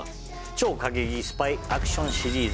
超過激スパイアクションシリーズ